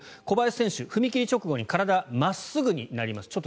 小林選手は踏み切り直後に体が真っすぐになります。